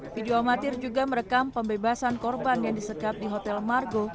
video amatir juga merekam pembebasan korban yang disekap di hotel margo